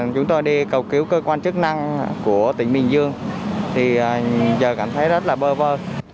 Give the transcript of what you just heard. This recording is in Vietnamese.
chúng tôi đi cầu cứu cơ quan chức năng của tỉnh bình dương thì giờ cảm thấy rất là bơ vơ